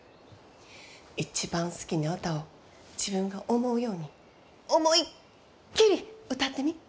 一番好きな歌を自分が思うように思いっきり歌ってみ。